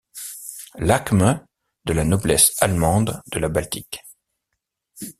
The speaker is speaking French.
Lachmes de la noblesse allemande de la Baltique.